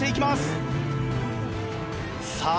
さあ